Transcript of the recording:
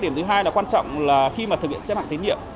điểm thứ hai là quan trọng là khi thực hiện xếp hạng tín nhậm